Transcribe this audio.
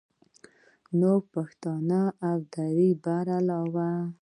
نو د پښتو او دري په علاوه